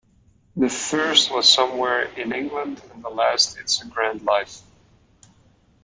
The first was Somewhere in England and the last It's a Grand Life.